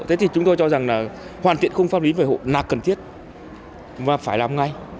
thế thì chúng tôi cho rằng là hoàn thiện khung pháp lý về hộ là cần thiết và phải làm ngay